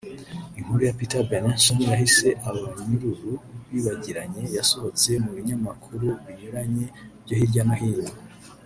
Inkuru ya Peter Benenson yise “Abanyururu bibagiranye” yasohotse mu binyamakuru binyuranye byo hirya no hino ku isi